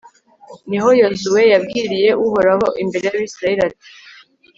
ni ho yozuwe yabwiriye uhoraho imbere y'abayisraheli, ati